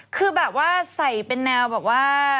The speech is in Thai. คือแบบว่าใส่เป็นแนวแบบว่า